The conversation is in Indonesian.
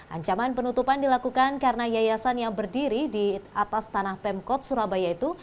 ancaman penutupan dilakukan karena yayasan yang berdiri di atas tanah pemkot surabaya itu